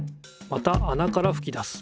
またあなからふき出す。